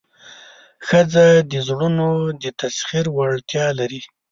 ښځه د زړونو د تسخیر وړتیا لري.